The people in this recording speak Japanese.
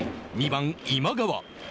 ２番今川。